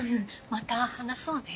また話そうね。